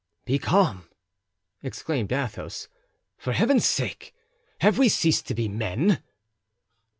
"Be calm," exclaimed Athos, "for Heaven's sake! have we ceased to be men?"